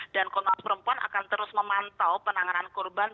dan komnas perempuan akan terus memantau penanganan korban